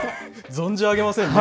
存じ上げませんね。